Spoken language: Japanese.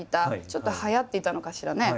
ちょっとはやっていたのかしらね。